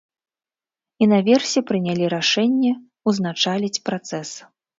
І наверсе прынялі рашэнне, ўзначаліць працэс.